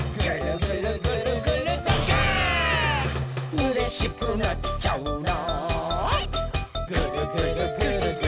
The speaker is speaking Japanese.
「うれしくなっちゃうなーっあっ